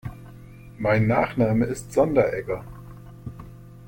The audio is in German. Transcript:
Mein Nachname ist Sonderegger.